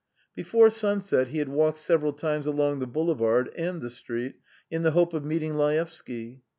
Before sunset he had walked several times along the boulevard and the street in the hope of meeting Laevsky.